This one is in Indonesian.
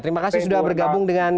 terima kasih sudah bergabung dengan